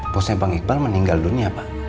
bosnya pak iqbal meninggal dunia pak